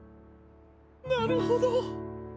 なるほど。